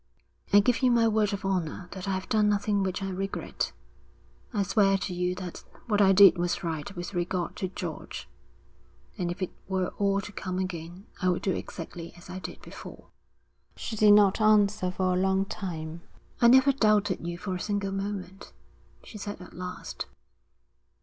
'I give you my word of honour that I've done nothing which I regret. I swear to you that what I did was right with regard to George, and if it were all to come again I would do exactly as I did before.' She did not answer for a long time. 'I never doubted you for a single moment,' she said at last.